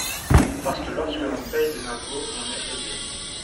Parce que lorsque l’on paie des impôts, on est aisé